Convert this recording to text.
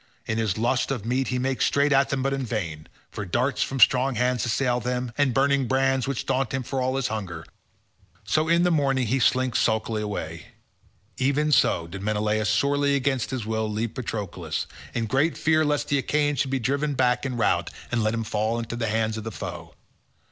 In his lust of meat he makes straight at them but in vain, for darts from strong hands assail him, and burning brands which daunt him for all his hunger, so in the morning he slinks sulkily away—even so did Menelaus sorely against his will leave Patroclus, in great fear lest the Achaeans should be driven back in rout and let him fall into the hands of the foe.